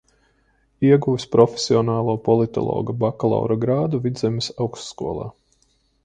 Ieguvis profesionālo politologa bakalaura grādu Vidzemes Augstskolā.